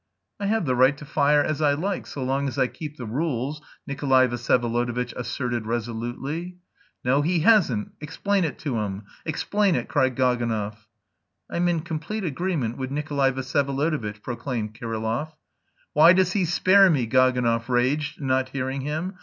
"I have the right to fire as I like so long as I keep the rules," Nikolay Vsyevolodovitch asserted resolutely. "No, he hasn't! Explain it to him! Explain it!" cried Gaganov. "I'm in complete agreement with Nikolay Vsyevolodovitch," proclaimed Kirillov. "Why does he spare me?" Gaganov raged, not hearing him.